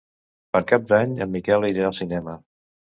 Per Cap d'Any en Miquel anirà al cinema.